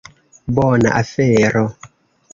Bona afero.